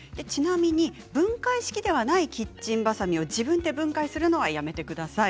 分解式でないキッチンバサミを自分で分解するのはやめてください。